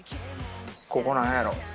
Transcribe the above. ここ何やろ？